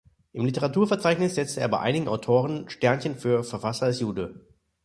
Im Literaturverzeichnis setzte er bei einigen Autoren Sternchen für „Verfasser ist Jude“.